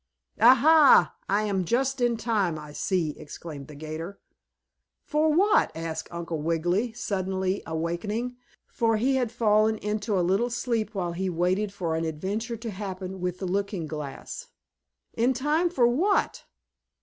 "Ah, ha! I am just in time, I see!" exclaimed the 'gator. "For what?" asked Uncle Wiggily, suddenly awakening, for he had fallen into a little sleep while he waited for an adventure to happen with the looking glass. "In time for what?"